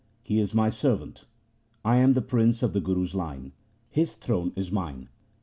He is my servant. I am prince of the Guru's line. His throne is mine.'